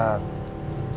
sebagai orang yang berpikir